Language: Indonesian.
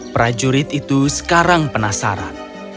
prajurit itu sekarang penasaran